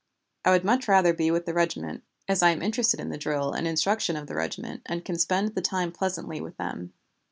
I would much rather be with the regiment, as I am interested in the drill and instruction of the regiment, and can spend the time pleasantly with them.